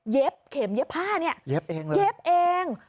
เข็มเย็บผ้าเนี่ยเย็บเอง